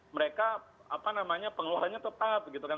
mereka apa namanya pengeluarannya tetap gitu kan